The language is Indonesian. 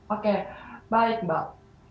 oke baik mbak